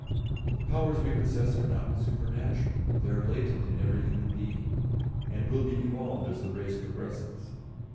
The powers we possess are not supernatural, they are latent in every human being, and will be evolved as the race progresses.